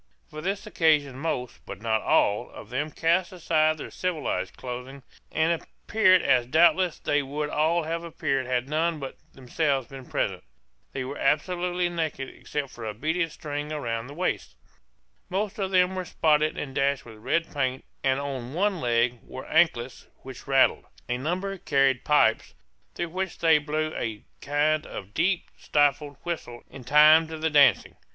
For this occasion most, but not all, of them cast aside their civilized clothing, and appeared as doubtless they would all have appeared had none but themselves been present. They were absolutely naked except for a beaded string round the waist. Most of them were spotted and dashed with red paint, and on one leg wore anklets which rattled. A number carried pipes through which they blew a kind of deep stifled whistle in time to the dancing.